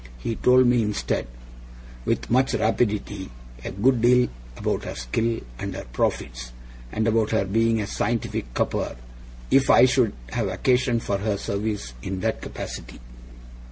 He told me instead, with much rapidity, a good deal about her skill, and her profits; and about her being a scientific cupper, if I should ever have occasion for her service in that capacity.